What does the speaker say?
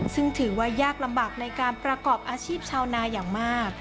ซึ่งถือว่ายากลำบากในการประกอบอาชีพชาวนาอย่างมาก